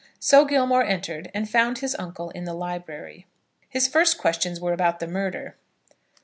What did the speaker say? So Gilmore entered, and found his uncle in the library. His first questions were about the murder.